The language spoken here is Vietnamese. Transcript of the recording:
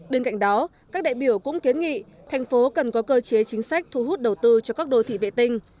bên cạnh đó các đại biểu cũng kiến nghị thành phố cần có cơ chế chính sách thu hút đầu tư cho các đô thị vệ tinh